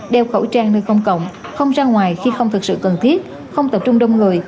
đeo khẩu trang nơi công cộng không ra ngoài khi không thực sự cần thiết không tập trung đông người